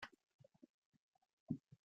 Dip the pail once and let it settle.